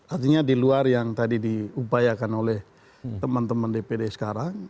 artinya di luar yang tadi diupayakan oleh teman teman dpd sekarang